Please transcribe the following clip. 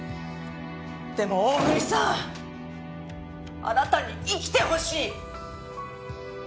でも大國さんあなたに生きてほしい！